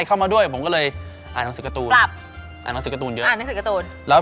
เฮ้ยชอบคนนี้ว่ะ